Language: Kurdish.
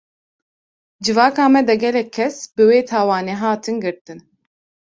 Civaka me de gelek kes, bi wê tawanê hatin girtin